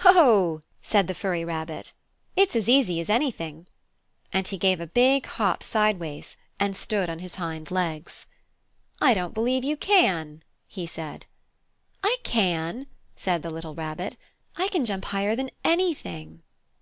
"Ho!" said the furry rabbit. "It's as easy as anything," And he gave a big hop sideways and stood on his hind legs. "I don't believe you can!" he said. "I can!" said the little Rabbit. "I can jump higher than anything!"